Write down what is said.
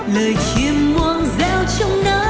lời chiêm ngoan reo trong nắng